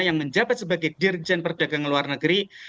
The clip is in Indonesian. yang menjabat sebagai dirjen perdagangan luar negeri